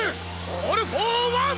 オールフォーワン！